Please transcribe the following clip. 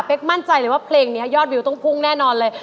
เป็นมั่นใจเลยว่าเพลงนี้ยอดวิวต้องพุ่งแน่นอนเลย